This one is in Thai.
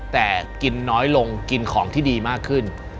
แต่กินน้อยลงกินของที่ดีมากขึ้น